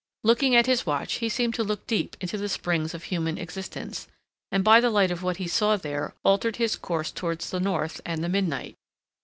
Looking at his watch, he seemed to look deep into the springs of human existence, and by the light of what he saw there altered his course towards the north and the midnight....